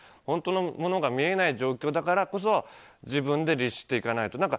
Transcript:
本当のものが見えない状況だからこそ自分で律していかないと。